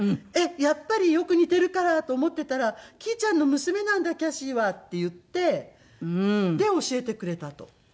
「やっぱりよく似ているからと思っていたらきぃちゃんの娘なんだキャシーは」って言ってで教えてくれたと。